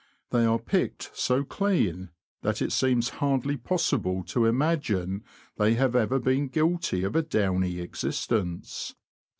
They are picked so clean, that it seems hardly possible to imagine they have ever been guilty of a downy existence.